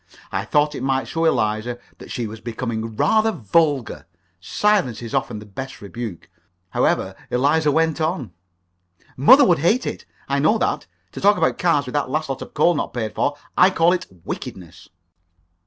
I thought it might show Eliza that she was becoming rather vulgar. Silence is often the best rebuke. However, Eliza went on: "Mother would hate it, I know that. To talk about cards, with the last lot of coals not paid for I call it wickedness."